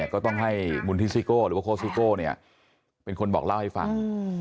ก็ต้องให้มุนทิซิโกหรือโคซิโกเป็นคนบอกเล่าให้ฟัง